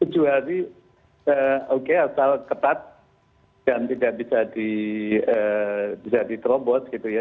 tujuh hari oke asal ketat dan tidak bisa ditrobot gitu ya